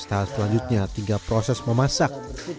tahap selanjutnya tinggal proses memasak